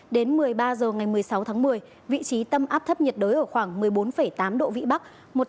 đến một mươi ba h ngày một mươi sáu tháng một mươi vị trí tâm áp thấp nhiệt đới ở khoảng một mươi bốn tám độ vĩ bắc